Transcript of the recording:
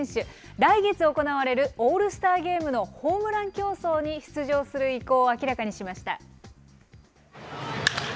来月行われるオールスターゲームのホームラン競争に出場する意向を明らかにしました。